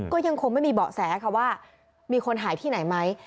ก็ยังคงไม่มีเบาะแสค่ะว่ามีคนหายที่ไหนไหม